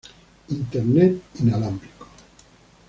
Internet inalámbrico.